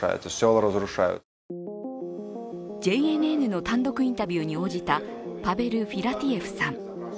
ＪＮＮの単独インタビューに応じたパベル・フィラティエフさん。